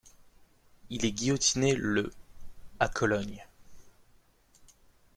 Il est guillotiné le à Cologne.